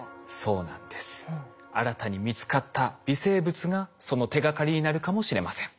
新たに見つかった微生物がその手がかりになるかもしれません。